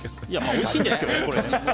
おいしいんですけどね。